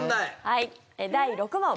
第６問。